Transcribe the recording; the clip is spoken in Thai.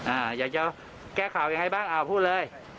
อ่าอยากจะแก้ข่าวยังไงบ้างอ่าพูดเลย